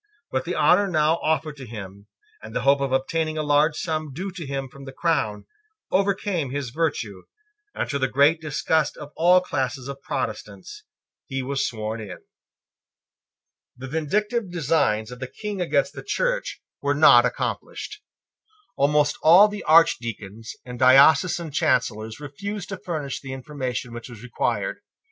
But the honour now offered to him, and the hope of obtaining a large sum due to him from the crown, overcame his virtue, and, to the great disgust of all classes of Protestants, he was sworn in. The vindictive designs of the King against the Church were not accomplished. Almost all the Archdeacons and diocesan Chancellors refused to furnish the information which was required.